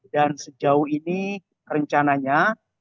dan sejauh ini rencananya